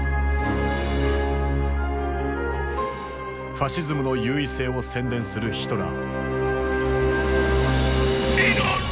ファシズムの優位性を宣伝するヒトラー。